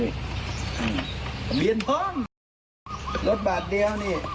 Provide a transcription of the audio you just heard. ขาย